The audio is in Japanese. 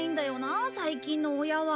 あ最近の親は。